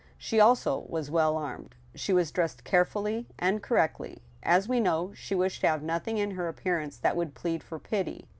She also was well armed. She was dressed carefully and correctly. As we know, she wished to have nothing in her appearance that would plead for pity.